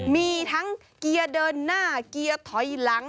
มีทั้งเกียร์เดินหน้าเกียร์ถอยหลัง